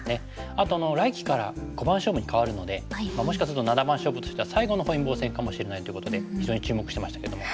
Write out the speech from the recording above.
あと来期から五番勝負に変わるのでもしかすると七番勝負としては最後の本因坊戦かもしれないということで非常に注目してましたけども。